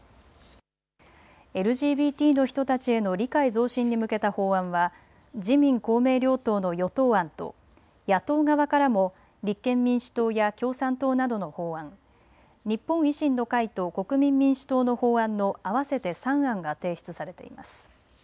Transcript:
ＬＧＢＴの人たちへの理解増進に向けた法案は自民公明両党の与党案と野党側からも立憲民主党や共産党などの法案、日本維新の会と国民民主党の法案の合わせて３案が提出されています。